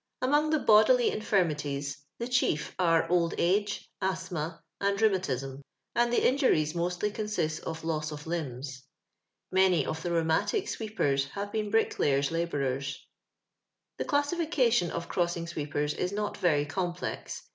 Among the bodily infirmities the chief are old ago, asthma, and rheumatism ; and the in juries mostly consist of loss of limbs. Many of tho rhoumatio sweepers liave been brick layers' labourers. Tho classification of crossing sweepers is not very complex.